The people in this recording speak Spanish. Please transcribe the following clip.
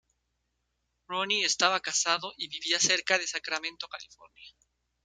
Ronnie estaba casado y vivía cerca de Sacramento, California.